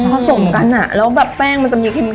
พร้อมกันอะแล้วแป้งมันจะมีเค็ม